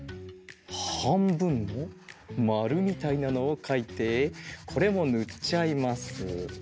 はんぶんのまるみたいなのをかいてこれもぬっちゃいます。